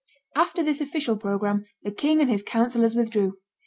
After this official programme, the king and his councillors withdrew.